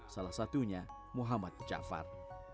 salah satunya muhammad jafar